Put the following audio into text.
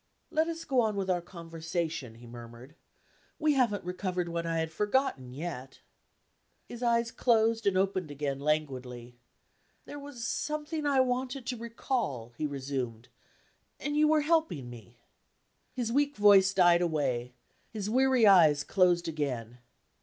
"Let us go on with our conversation," he murmured. "We haven't recovered what I had forgotten, yet." His eyes closed, and opened again languidly. "There was something I wanted to recall " he resumed, "and you were helping me." His weak voice died away; his weary eyes closed again.